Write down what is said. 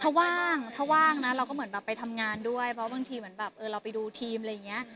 ถ้าว่างถ้าว่างนะเราก็เหมือนแบบไปทำงานด้วยเพราะบางทีเหมือนแบบเออเราไปดูทีมอะไรอย่างเงี้ย